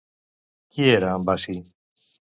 Qui era en Basi?